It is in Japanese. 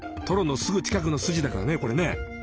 トロのすぐ近くのスジだからねこれね。